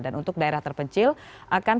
dan untuk daerah terpencil akan